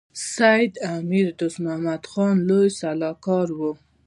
سید د امیر دوست محمد خان لوی سلاکار وو.